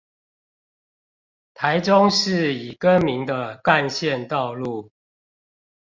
台中市已更名的幹線道路